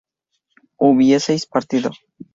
hubieseis partido